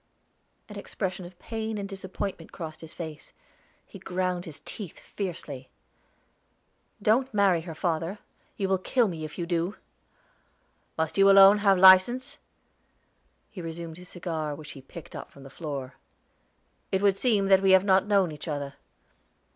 An expression of pain and disappointment crossed his face; he ground his teeth fiercely. "Don't marry her, father; you will kill me if you do!" "Must you alone have license?" He resumed his cigar, which he picked up from the floor. "It would seem that we have not known each other.